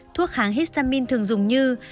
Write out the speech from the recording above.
thuốc kháng histamine thường dùng như